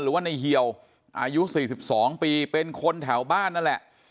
หรือว่าในเหี่ยวอายุ๔๒ปีเป็นคนแถวบ้านนั่นแหละ